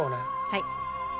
はい。